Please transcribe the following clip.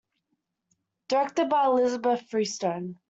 Directed by Elizabeth Freestone.